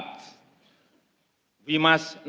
menjadi dua bagian